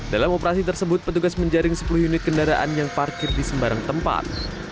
dalam operasi tersebut petugas menjaring sepuluh unit kendaraan yang parkir di sembarang tempat